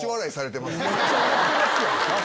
めっちゃ笑ってますやん。